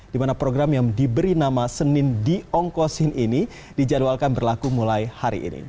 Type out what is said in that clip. di mana program yang diberi nama senin diongkosin ini dijadwalkan berlaku mulai hari ini